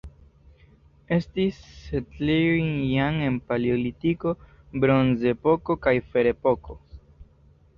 Estis setlejoj jam en Paleolitiko, Bronzepoko kaj Ferepoko.